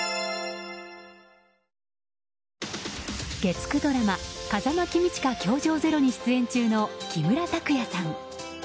月９ドラマ「風間公親‐教場０‐」に出演中の木村拓哉さん。